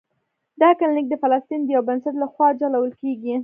دا کلینک د فلسطین د یو بنسټ له خوا چلول کیږي.